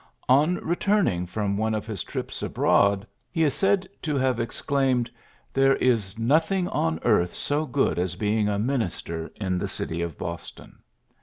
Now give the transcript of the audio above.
On returning from one of his trips abroad, he is said to have ex claimed, ^^ There is nothing on earth so good as being a minister in the city of Boston.'